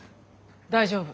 大丈夫。